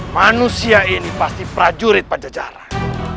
manusia ini pasti prajurit pecah jalan